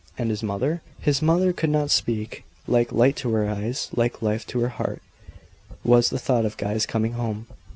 "And his mother?" His mother could not speak. Like light to her eyes, like life to her heart, was the thought of Guy's coming home.